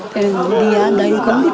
đi ở đây không biết không thấy về